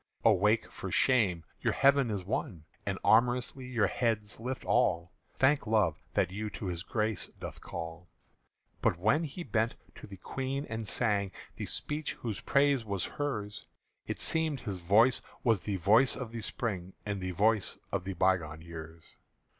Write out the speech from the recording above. Awake for shame, your heaven is won, And amorously your heads lift all: Thank Love, that you to his grace doth call!_" But when he bent to the Queen, and sang The speech whose praise was hers, It seemed his voice was the voice of the Spring And the voice of the bygone years.